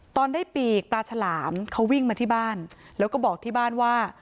ตอนได้ปีกปลาฉลามเขาวิ่งมาที่บ้านแล้วก็บอกที่บ้านว่า